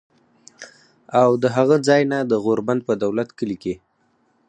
او د هغه ځائے نه د غور بند پۀ دولت کلي کښې